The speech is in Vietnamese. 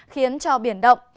khiến cho biển động